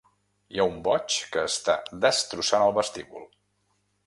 Hi ha un boig que està destrossant el vestíbul.